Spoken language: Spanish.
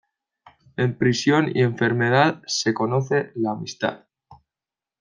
En prisión y enfermedad, se conoce la amistad.